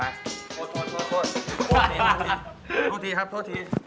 โทษทีครับโทษที